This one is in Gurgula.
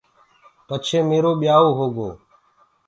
پڇي ميرو ٻيآوٚ هوگو۔